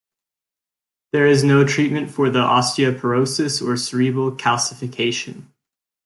There is no treatment for the osteopetrosis or cerebral calcification.